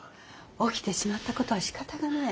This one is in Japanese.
起きてしまったことはしかたがない。